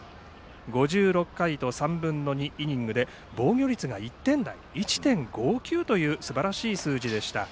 ５６回と３分の２イニングで防御率が１．５９というすばらしい数字でした。